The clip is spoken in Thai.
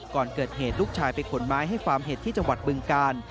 ก่อนเกิดเหตุลูกชายไปขนไม้ให้ฟาร์มเห็ดที่จังหวัดบึงกาล